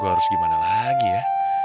gue harus gimana lagi ya